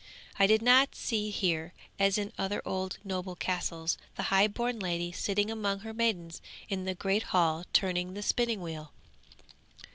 'I did not see here, as in other old noble castles the highborn lady sitting among her maidens in the great hall turning the spinning wheel.